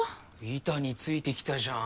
板についてきたじゃん。